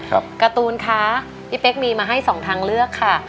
การ์ตูนคะพี่เป๊กมีมาให้สองทางเลือกค่ะ